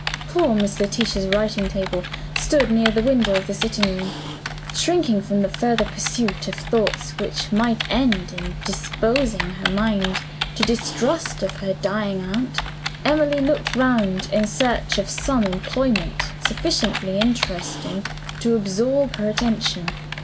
Poor Miss Letitia's writing table stood near the window of the sitting room. Shrinking from the further pursuit of thoughts which might end in disposing her mind to distrust of her dying aunt, Emily looked round in search of some employment sufficiently interesting to absorb her attention.